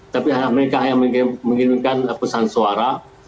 tapi mereka yang menginginkan pesan suara